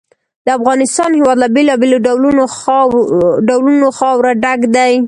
د افغانستان هېواد له بېلابېلو ډولونو خاوره ډک دی.